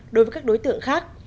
một mươi đối với các đối tượng khác